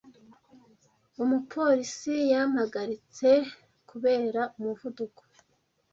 Umupolisi yampagaritse kubera umuvuduko